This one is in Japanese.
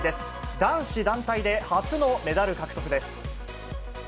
男子団体で初のメダル獲得です。